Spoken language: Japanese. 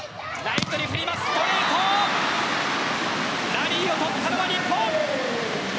ラリーを取ったのは日本。